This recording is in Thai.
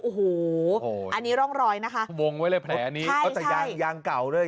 กลับสุดสูตรมันในยาวลองรอยและครับวงไว้และแผลนี้ก็จะยากเยี่ยม